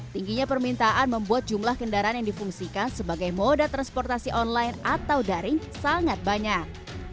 tingginya permintaan membuat jumlah kendaraan yang difungsikan sebagai moda transportasi online atau daring sangat banyak